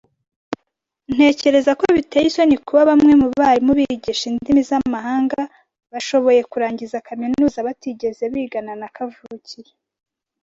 Ntekereza ko biteye isoni kuba bamwe mu barimu bigisha indimi z'amahanga bashoboye kurangiza kaminuza batigeze bigana na kavukire